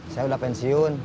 saya udah pensiun